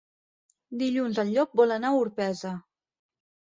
Dilluns en Llop vol anar a Orpesa.